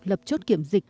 lập chốt kiểm dịch